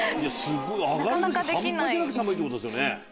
半端なく寒いってことですよね。